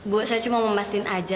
bu saya cuma mau memastikan aja